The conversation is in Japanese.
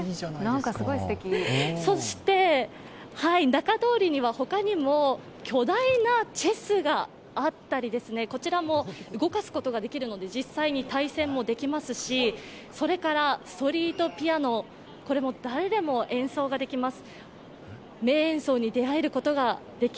そして、仲通りにはほかにも巨大なチェスがあったり、こちらも動かすことができるので実際に対戦もできますしストリートピアノ、誰でも演奏ができます。